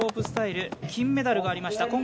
スタイル金メダルもありました。